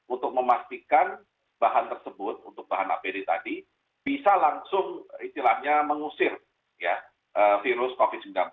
untuk memastikan bahan tersebut untuk bahan apd tadi bisa langsung istilahnya mengusir virus covid sembilan belas